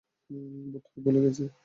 বোধহয় ভুলে গেছ।